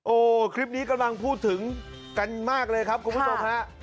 โอ้โหคลิปนี้กำลังพูดถึงกันมากเลยครับเพราะว่าคุณผู้ชมครับ